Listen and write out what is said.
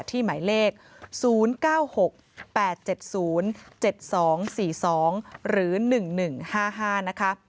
หมายเลข๐๙๖๘๗๐๗๒๔๒หรือ๑๑๕๕นะคะ